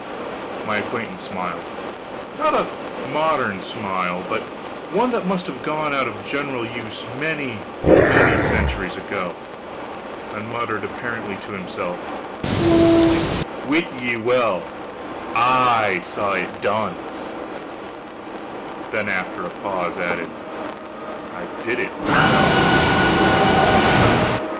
My acquaintance smiled not a modern smile, but one that must have gone out of general use many, many centuries ago and muttered apparently to himself: "Wit ye well, I saw it done." Then, after a pause, added: "I did it myself."